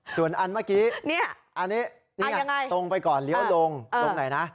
ส่วนอันเมื่อกี้อันนี้ตรงไปก่อนเลี้ยวลงตรงไหนนะ